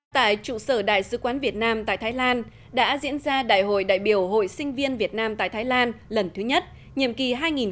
tại trụ sở đại sứ quán việt nam tại thái lan đã diễn ra đại hội đại biểu hội sinh viên việt nam tại thái lan lần thứ nhất nhiệm kỳ hai nghìn hai mươi hai nghìn hai mươi bốn